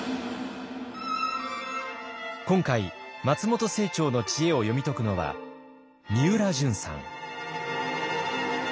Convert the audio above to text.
今回松本清張の知恵を読み解くのはみうらじゅんさん。